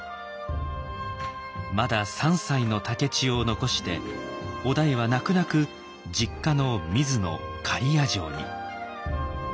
まだ３歳の竹千代を残して於大は泣く泣く実家の水野刈谷城に。